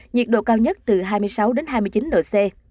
nhiệt độ cao nhất từ hai mươi sáu hai mươi chín độ c